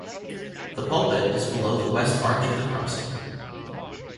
The pulpit is below the west arch of the crossing.